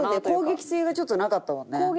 攻撃性がちょっとなかったもんね。